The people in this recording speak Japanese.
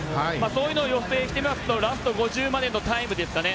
そういうのを予想して言いますとラスト５０のタイムですかね。